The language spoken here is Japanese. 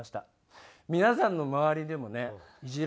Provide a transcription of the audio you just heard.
皆さんの周りでもねイジ